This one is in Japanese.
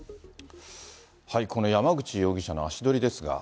この山口容疑者の足取りですが。